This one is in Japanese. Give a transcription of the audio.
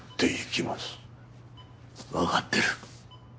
わかってる。